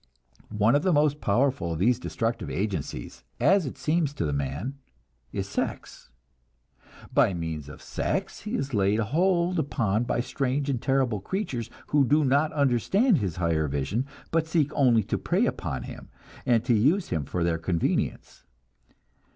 One of the most powerful of these destructive agencies, as it seems to the man, is sex. By means of sex he is laid hold upon by strange and terrible creatures who do not understand his higher vision, but seek only to prey upon him, and use him for their convenience.